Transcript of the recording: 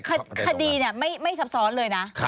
คดีไม่ซับซ้อนเลยนะ